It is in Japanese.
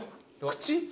口？